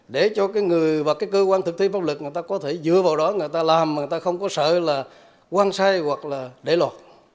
để cho người và cơ quan thực thi pháp luật người ta có thể dựa vào đó người ta làm người ta không có sợ là quăng sai hoặc là để lò